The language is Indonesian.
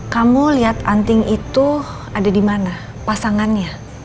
kamu liat anting itu ada dimana pasangannya